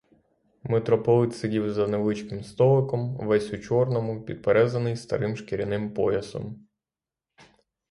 Митрополит сидів за невеличким столиком, весь у чорному, підперезаний старим шкіряним поясом.